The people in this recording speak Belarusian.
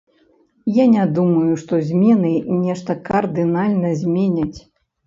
Я не думаю, што змены нешта кардынальна зменяць.